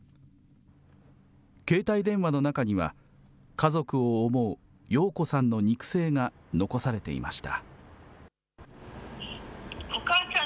携帯電話の中には、家族を思う陽子さんの肉声が残されていました。